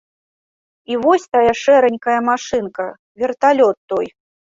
І вось тая шэранькая машынка, верталёт той.